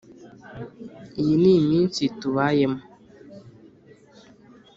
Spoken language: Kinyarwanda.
iyi ni iminsi tubayemo.